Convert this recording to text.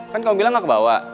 kan kalau bilang gak kebawa